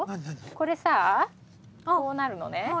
これさこうなるのね。